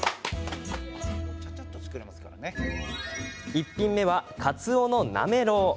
１品目は、かつおのなめろう。